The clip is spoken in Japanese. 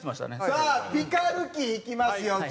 さあピカル期いきますよ。